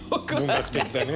文学的だね。